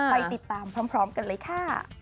ไปติดตามพร้อมกันเลยค่ะ